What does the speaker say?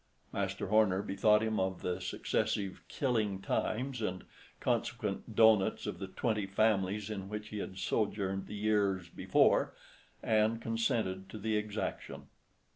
Master Horner bethought him of the successive "killing times," and consequent doughnuts of the twenty families in which he had sojourned the years before, and consented to the exaction.